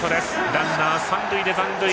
ランナーは三塁で残塁。